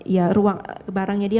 ya ruang barangnya dia